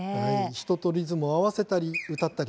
人とリズムを合わせたり歌ったり。